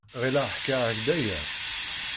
Ɣileɣ ḥkiɣ-ak-d aya.